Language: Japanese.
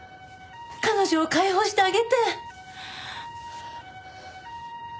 彼女を解放してあげて！